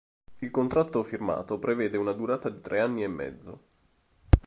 Il contratto firmato prevede una durata di tre anni e mezzo.